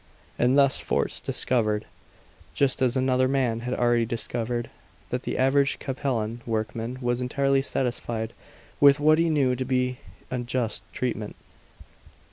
And thus Fort discovered, just as another man had already discovered, that the average Capellan workman was entirely satisfied with what he knew to be unjust treatment.